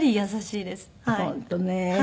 本当ね。